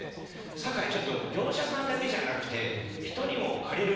「酒井ちょっと業者さんだけじゃなくて」。